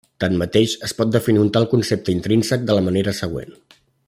Tanmateix, es pot definir un tal concepte intrínsec de la manera següent.